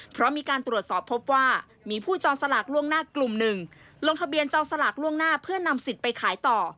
เพราะมีการตรวจสอบพบว่ามีผู้จองสลากล่วงหน้ากลุ่มหนึ่งลงทะเบียนจองสลากล่วงหน้าเพื่อนำสิทธิ์ไปขายต่อ